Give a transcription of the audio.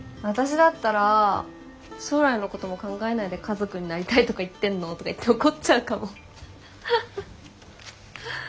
私だったら「将来のことも考えないで家族になりたいとか言ってんの？」とか言って怒っちゃうかも？